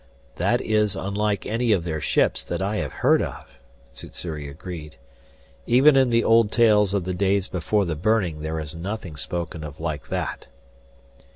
"That is unlike any of their ships that I have heard of," Sssuri agreed. "Even in the old tales of the Days Before the Burning there is nothing spoken of like that."